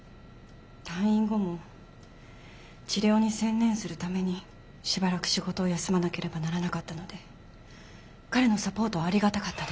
退院後も治療に専念するためにしばらく仕事を休まなければならなかったので彼のサポートはありがたかったです。